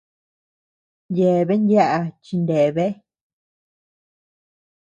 Yeabean yaʼa chineabea.